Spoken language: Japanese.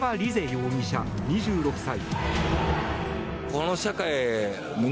容疑者、２６歳。